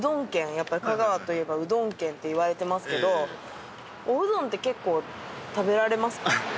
やっぱり香川といえばうどん県って言われてますけどおうどんって結構食べられますか？